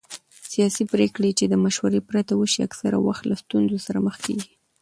سیاسي پرېکړې چې د مشورې پرته وشي اکثره وخت له ستونزو سره مخ کېږي